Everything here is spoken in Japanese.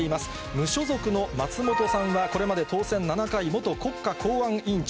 無所属の松本さんはこれまで当選７回、元国家公安委員長。